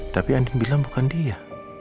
tapi andi bilang bukan dia